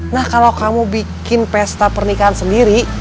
nah kalau kamu bikin pesta pernikahan sendiri